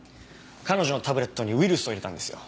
彼女のタブレットにウイルスを入れたんですよ。